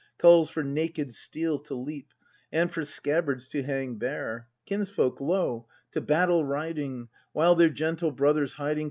Calls for naked steel to leap. And for scabbards to hang bare; — Kinsfolk, lo, to battle riding, While their gentle brothers, hiding.